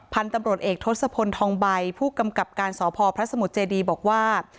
พันธุ์ตำรวจเอกทศพลทองใบผู้กำกับการสพพระสมุทรเจดีบอกว่า